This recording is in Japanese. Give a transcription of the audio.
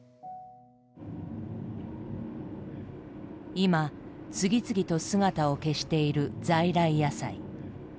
今次々と姿を消している在来野菜。